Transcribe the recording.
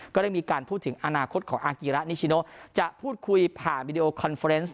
ก็ได้มีการพูดถึงอนาคตของอากีระนิชิโนจะพูดคุยผ่านวิดีโอคอนเฟอร์เนส